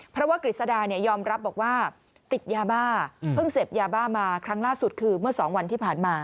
เพราะว่ากฤษดายอมรับบอกว่าติดยาบ้าเพิ่งเสพยาบ้ามาครั้งล่าสุดคือเมื่อ๒วันที่ผ่านมา